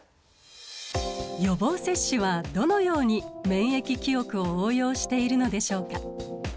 予防接種はどのように免疫記憶を応用しているのでしょうか。